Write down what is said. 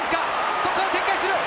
そこから展開する！